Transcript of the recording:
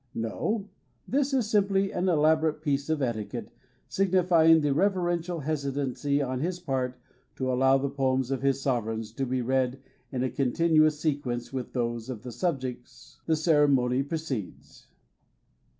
No; this is simply an elaborate piece of etiquette, signifying the reverential hesitancy on his part to allow the poems of his sovereigns to be read in a continuous sequence with those of the subjects. The ceremony proceeds.